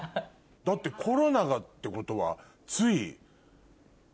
だってコロナがってことはつい。